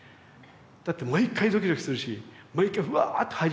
だって毎回ドキドキするし毎回うわぁって入り込めるし。